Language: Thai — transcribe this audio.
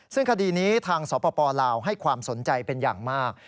ซึ่งคดีนี้ทางสปลาวให้ความสนใจเป็นอย่างมาก